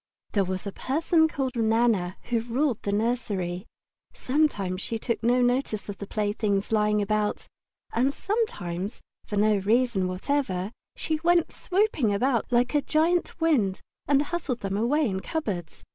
There was a person called Nana who ruled the nursery. Sometimes she took no notice of the playthings lying about, and sometimes, for no reason whatever, she went swooping about like a great wind and hustled them away in cupboards.